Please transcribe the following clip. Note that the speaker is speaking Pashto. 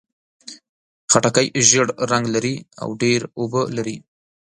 خټکی ژېړ رنګ لري او ډېر اوبه لري.